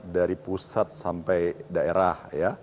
dari pusat sampai daerah